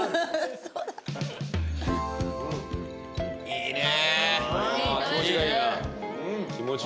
いいね。